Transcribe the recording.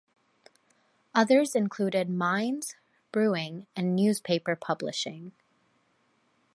Others included mines, brewing, and newspaper publishing.